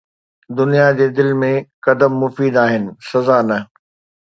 دنيا جي دل ۾، قدم مفيد آهن، سزا نه